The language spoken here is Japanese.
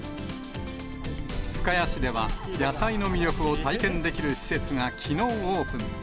深谷市では、野菜の魅力を体験できる施設がきのうオープン。